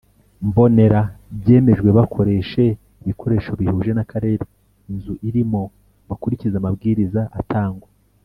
mbonera byemejwe bakoreshe ibikoresho bihuje n akarere inzu irimo kandi bakurikize amabwiriza atangwa